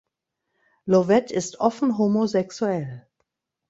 Lovett ist offen homosexuell.